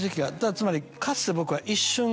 つまりかつて僕は。